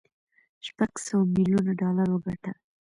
شپږ سوه ميليونه ډالر وګټل.